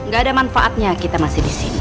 gak ada manfaatnya kita masih di sini